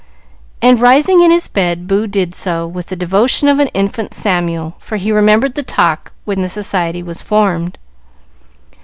and, rising in his bed, Boo did so, with the devotion of an infant Samuel, for he remembered the talk when the society was formed.